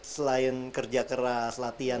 selain kerja keras latihan